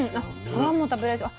皮も食べられそう。